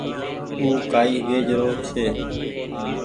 او ڪآئي ويچ رو ڇي۔